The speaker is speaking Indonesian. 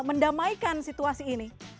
mendamaikan situasi ini